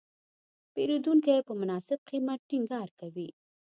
پیرودونکی په مناسب قیمت ټینګار کوي.